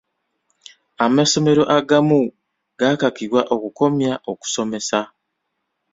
Amasomero agamu gaakakibwa okukomya okusomesa.